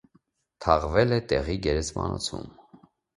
Թաղվել է տեղի գերեզմանոցում։